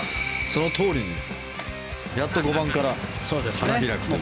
そのとおりにやっと５番から花開くと。